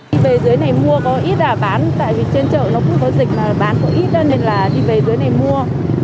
đi về dưới này mua có ít là bán tại vì trên chợ nó cũng có dịch mà bán có ít nên là đi về dưới này mua